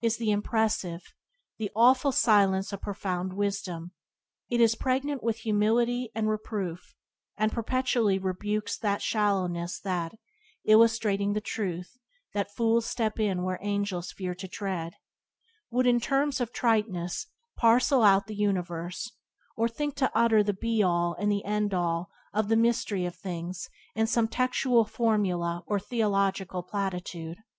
is the impressive, the awful silence of profound wisdom; it is pregnant with humility and reproof, and perpetually rebukes that shallowness that, illustrating the truth that "fools step in where angels fear to tread," would in terms of triteness parcel out the universe, or think to utter the be all and the end all of the mystery of things in some textual formula or theological platitude.